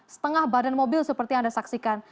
setengah badan mobil seperti yang anda saksikan